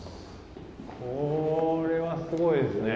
これはすごいですね。